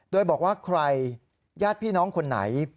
โดยบอกว่าใครญาติพี่น้องคนไหน